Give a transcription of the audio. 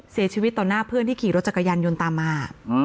เสียชีวิตต่อหน้าเพื่อนที่ขี่รถจักรยานยนต์ตามมา